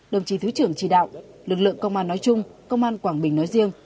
đồng chí thứ trưởng chỉ đạo lực lượng công an nói chung công an quảng bình nói riêng